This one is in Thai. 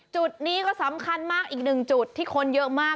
จุดนี้ก็สำคัญมากอีกหนึ่งจุดที่คนเยอะมาก